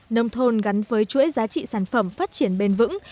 nông thôn gắn với chuỗi giá trị sản phẩm phát triển bền vững